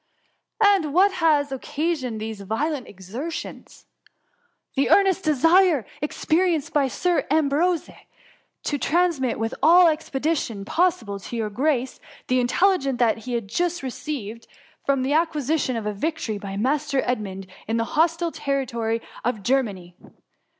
^^^ And what has occasioned these violent ex ertions ?^" The earnest desire experienced by Sir Am brose to transmit with all the expedition possi ble, to your grace, the intelligence he has just received of the acquisition of a victory by Mas ter Edmund, in the hostile territory of Ger many.